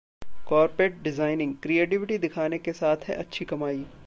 carpet designing: creativity दिखाने के साथ है अच्छी कमाई